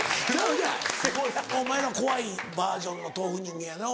お前ら怖いバージョンの豆腐人間やろ？